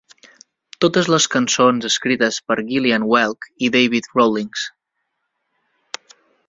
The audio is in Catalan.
Totes les cançons escrites per Gillian Welch i David Rawlings.